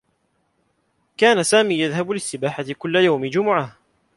كان سامي يذهب للسّباحة كلّ يوم جمعة.